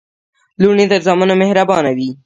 لوڼي تر زامنو مهربانه وي.